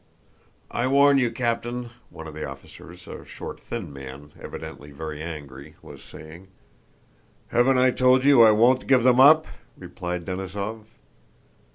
"I warn you, Captain," one of the officers, a short thin man, evidently very angry, was saying. "Haven't I told you I won't give them up?" replied Denísov.